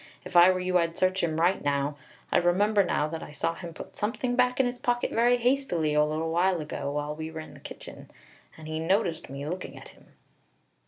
If I were you I'd search him right now. I remember now that I saw him put something back in his pocket very hastily a little while ago, when we were in the kitchen, and he noticed me looking at him."